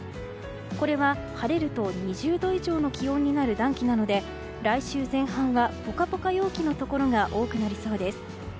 これは晴れると、２０度以上の気温になる暖気なので来週前半はポカポカ陽気のところが多くなりそうです。